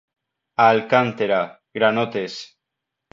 A Alcàntera, granotes.